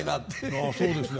ああそうですね